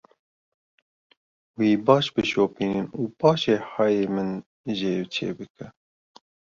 Wî baş bişopînin û paşê hayê min jê çêbike.